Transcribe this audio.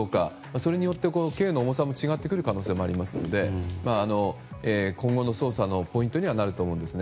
それによって、刑の重さも違ってくる可能性もありますので今後の捜査のポイントにはなると思うんですね。